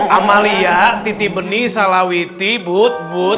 amalia titi benih salawiti but but